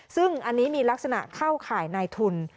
ซึ่งอันนี้มีลักษณะเข้าข่ายนายทุน